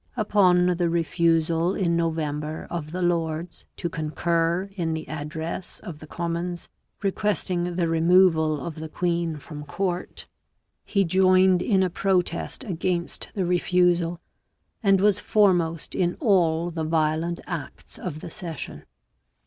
Upon the refusal in November of the Lords to concur in the address of the Commons requesting the removal of the queen from court, he joined in a protest against the refusal, and was foremost in all the violent acts of the session.